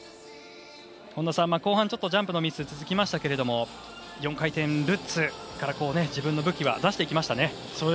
本田さん、後半ジャンプのミスが続きましたけど４回転ルッツから自分の武器は出していきましたね。